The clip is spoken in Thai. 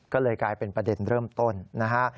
ก็เลยกลายเป็นประเด็นเริ่มต้นนะฮะ